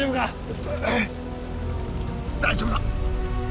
大丈夫か？